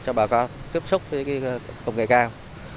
cho bà con tiếp xúc với công nghệ cao